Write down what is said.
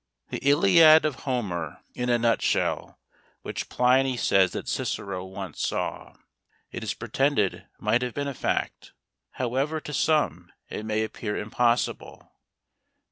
The Iliad of Homer in a nutshell, which Pliny says that Cicero once saw, it is pretended might have been a fact, however to some it may appear impossible.